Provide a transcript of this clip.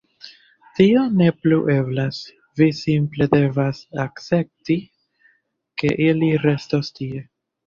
Tio ne plu eblas. Vi simple devas akcepti, ke ili restos tie.